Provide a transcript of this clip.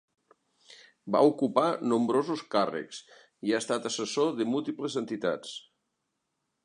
Va ocupar nombrosos càrrecs i ha estat assessor de múltiples entitats.